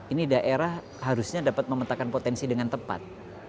ini daerah harusnya dapat memetakan potensi dengan tepat